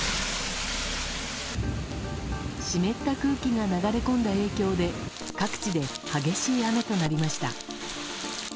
湿った空気が流れ込んだ影響で各地で激しい雨となりました。